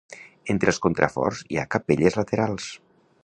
Entre els contraforts hi ha capelles laterals.